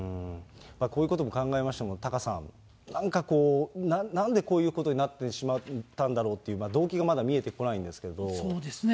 こういうことも考えましても、タカさん、なんかこう、なんでこういうことになってしまったんだろうって、動機がまだ見えてこなそうですね。